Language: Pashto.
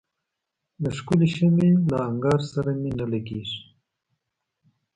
د ښکلي شمعي له انګار سره مي نه لګیږي